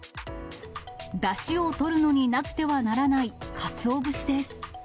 だしをとるのになくてはならないかつお節です。